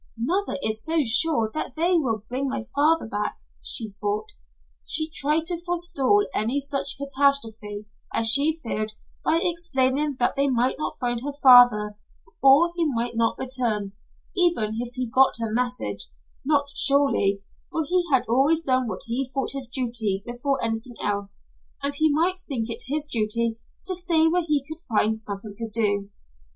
"Mother is so sure they will bring my father back," she thought. She tried to forestall any such catastrophe as she feared by explaining that they might not find her father or he might not return, even if he got her message, not surely, for he had always done what he thought his duty before anything else, and he might think it his duty to stay where he could find something to do.